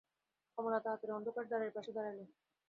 কমলা তাড়াতাড়ি অন্ধকারে দ্বারের পাশে দাঁড়াইল।